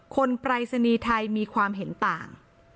ปรายศนีย์ไทยมีความเห็นต่าง